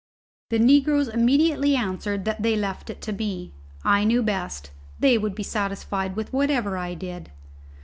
The negroes immediately answered that they left it to me; I knew best; they would be satisfied with whatever I did.